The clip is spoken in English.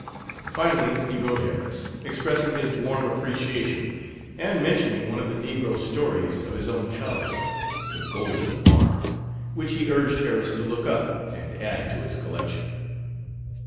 Finally, he wrote Harris, expressing his warm appreciation, and mentioning one of the negro stories of his own childhood, "The Golden Arm," which he urged Harris to look up and add to his collection.